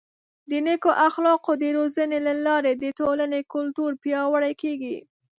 د نیکو اخلاقو د روزنې له لارې د ټولنې کلتور پیاوړی کیږي.